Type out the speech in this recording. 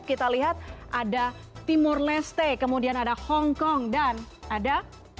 kita lihat ada timur leste kemudian ada hongkong dan ada